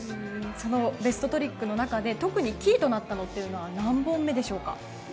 そのベストトリックの中で特にキーとなったものは何本目でしょうか。